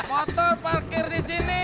motor parkir di sini